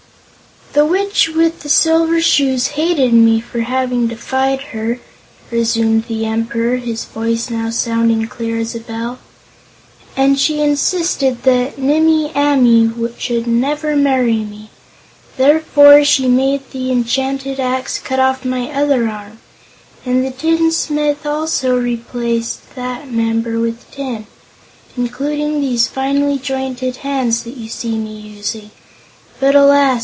"The Witch with the Silver Shoes hated me for having defied her," resumed the Emperor, his voice now sounding clear as a bell, "and she insisted that Nimmie Amee should never marry me. Therefore she made the enchanted axe cut off my other arm, and the tinsmith also replaced that member with tin, including these finely jointed hands that you see me using. But, alas!